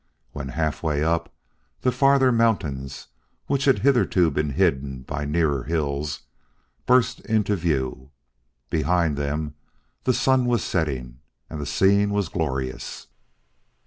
When halfway up, the farther mountains, which had hitherto been hidden by nearer hills, burst into view. Behind them the sun was setting, and the scene was glorious.